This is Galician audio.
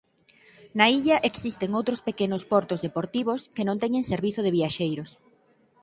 Na illa existen outros pequenos portos deportivos que non teñen servizo de viaxeiros.